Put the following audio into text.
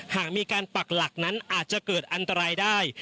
หากมีการปักหลักนั้นอาจจะเกิดอันตรายได้